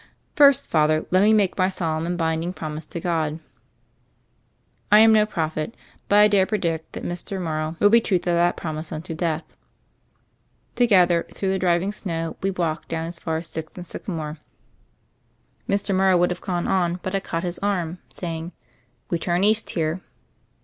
"First, Father, let me make my solemn and binding promise to God." I am no prophet, but I dare predict that Mr. 2i6 THE FAIRY OF THE SNOWS Morrow will be true to that promise unto death. Together, through the driving snow, we walked down as far as Sixth and Sycamore. Mr. Morrow would have gone on, but I caught his arm, saying: "We turn east here."